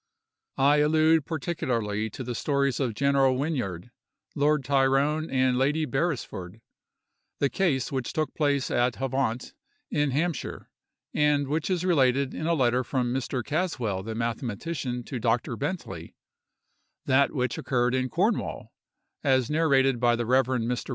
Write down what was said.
I allude particularly to the stories of General Wynyard; Lord Tyrone and Lady Beresford; the case which took place at Havant, in Hampshire, and which is related in a letter from Mr. Caswell the mathematician to Dr. Bentley; that which occurred in Cornwall, as narrated by the Rev. Mr.